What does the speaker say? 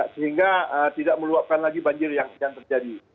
sehingga tidak meluapkan lagi banjir yang terjadi